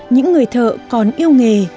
những người thợ còn yêu nghề